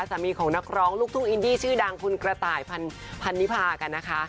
ของนักร้องลูกทุ่งอินดี้ชื่อดังคุณกระต่ายพันนิพากันนะคะ